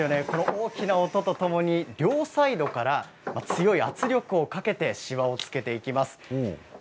大きな音とともに両サイドから強い圧力をかけてしわをつけていきます。